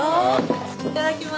いただきます。